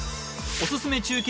おすすめ中継